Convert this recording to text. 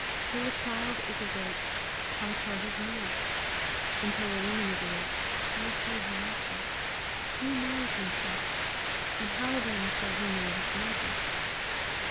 Till a child is awake, how tell his mood? until a woman is awaked, how tell her nature? Who knows himself? and how then shall he know his neighbour?